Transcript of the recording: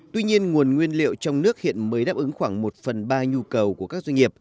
tuy nhiên nguồn nguyên liệu trong nước hiện mới đáp ứng khoảng một phần ba